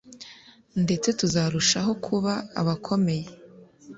Ndetse tuzarushaho kuba abakomeye